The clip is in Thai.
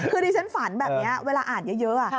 คือดิฉันฝันแบบนี้เวลาอ่านเยอะ